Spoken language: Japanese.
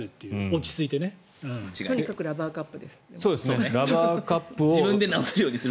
とにかくラバーカップです。